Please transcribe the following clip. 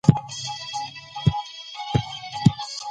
بدخشان د افغانستان د اجتماعي جوړښت برخه ده.